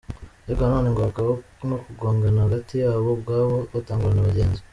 Ariko na none ngo hakaba no kugongana hagati yabo ubwabo batanguranwa abagenzi.